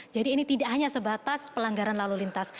jadi ini tidak hanya sebatas pelanggaran lalu lintas